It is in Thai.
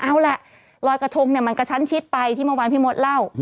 เอาล่ะลอยกระทงเนี่ยมันกระชั้นชิดไปที่เมื่อวานพี่มดเล่า